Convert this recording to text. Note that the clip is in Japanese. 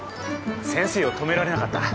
先生を止められなかった。